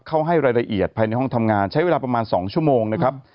ให้รายละเอียดภายในห้องทำงานใช้เวลาประมาณ๒ชั่วโมงนะครับ